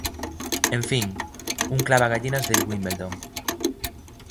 En fin, un clava gallinas del Wimbledon.